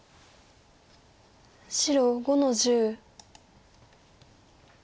白５の十。